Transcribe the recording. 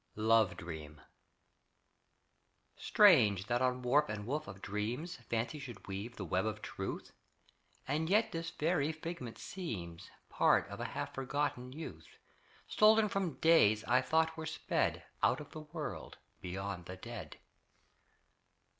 LOVE DREAM Strange that on warp and woof of dreams Fancy should weave the web of truth, And yet this fairy figment seems Part of a half forgotten youth Stolen from days I thought were sped Out of the world beyond the dead.